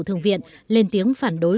thường viện lên tiếng phản đối